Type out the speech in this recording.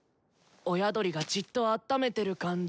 親鳥がじっとあっためてる感じ。